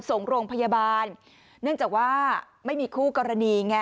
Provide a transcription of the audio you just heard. ส่งโรงพยาบาลเนื่องจากว่าไม่มีคู่กรณีไง